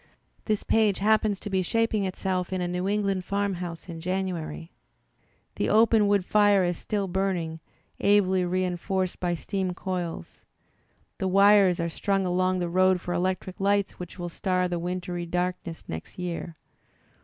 This page happens to be shaping itself in a New England farmhouse in January. The open wood fire is still burning, ably reinforced by steam coils. The wires are strung along the road for electric lights which will star the wintry darkness next year.